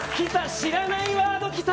知らないワード、来た！